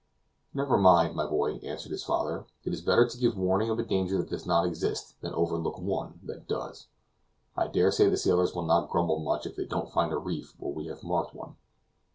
"Never mind, my boy," answered his father, "it is better to give warning of a danger that does not exist than overlook one that does. I dare say the sailors will not grumble much, if they don't find a reef where we have marked one."